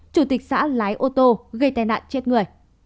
chủ tịch xã lái ô tô gây tai nạn chết người